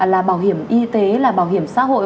là bảo hiểm y tế là bảo hiểm xã hội